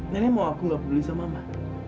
nenek mau aku ga peduli sama mama